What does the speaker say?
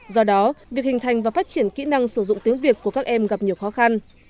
do đó việc hình thành và phát triển kỹ năng sử dụng tiếng việt của các em gặp nhiều khó khăn